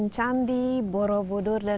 candi borobudur dan